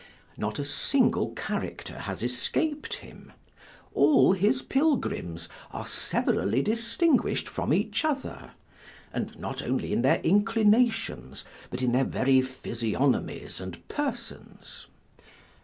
Not a single character has escap'd him. All his pilgrims are severally distinguish'd from each other; and not only in their inclinations, but in their very physiognomies and persons.